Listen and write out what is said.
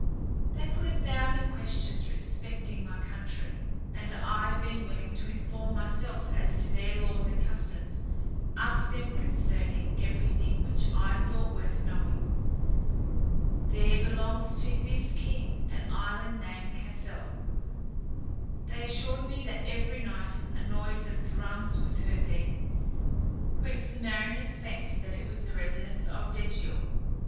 They put a thousand questions respecting my country; and I being willing to inform myself as to their laws and customs, asked them concerning every thing which I thought worth knowing. There belongs to this king an island named Cassel. They assured me that every night a noise of drums was heard there, whence the mariners fancied that it was the residence of Degial.